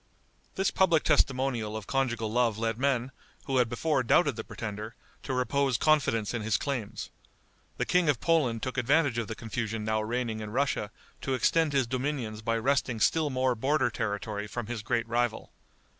This public testimonial of conjugal love led men, who had before doubted the pretender, to repose confidence in his claims. The King of Poland took advantage of the confusion now reigning in Russia to extend his dominions by wresting still more border territory from his great rival.